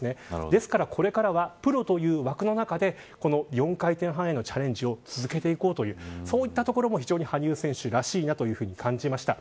ですからこれからはプロという枠の中で４回転半へのチャレンジを続けていこうというそういったところも非常に羽生選手らしいなというふうに感じました。